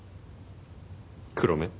黒目？